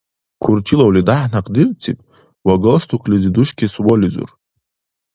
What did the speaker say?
Курчилавли дяхӀ-някъ дирциб ва галстуклизи душкес вализур.